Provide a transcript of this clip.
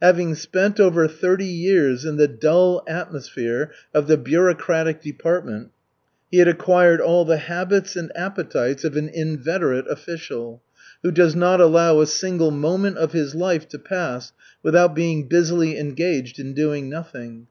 Having spent over thirty years in the dull atmosphere of the bureaucratic department, he had acquired all the habits and appetites of an inveterate official, who does not allow a single moment of his life to pass without being busily engaged in doing nothing.